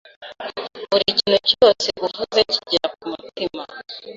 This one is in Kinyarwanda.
Buri kintu cyose uvuze kigera kumutima.